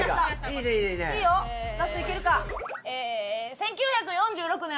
１９４６年